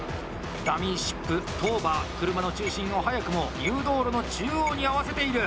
ダミーシップ、トーバー車の中心を早くも誘導路の中央に合わせている！